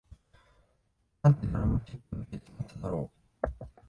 なんてドラマチックな結末だろう